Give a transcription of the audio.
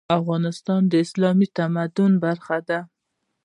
افغانستان د اسلامي تمدن برخه ده.